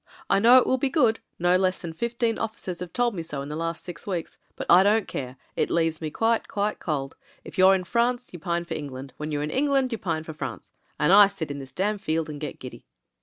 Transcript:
I know it will be good — no less than fifteen officers have told me so in the last six weeks. But I don't care — it leaves me quite, quite cold. If you're in France, you pine for England; when you're in England, you pine for France; and I sit in this damn field and get giddy."